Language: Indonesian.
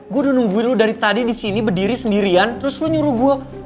gue udah nungguin lo dari tadi di sini berdiri sendirian terus lo nyuruh gue